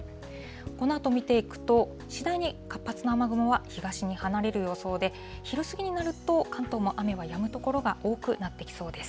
このあと見ていくと、次第に活発な雨雲は東に離れる予想で、昼過ぎになると、関東も雨がやむ所が多くなってきそうです。